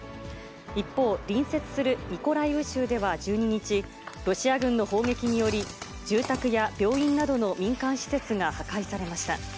一方、隣接するミコライウ州では１２日、ロシア軍の砲撃により、住宅や病院などの民間施設が破壊されました。